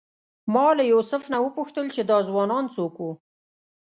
ما له یوسف نه وپوښتل چې دا ځوانان څوک وو.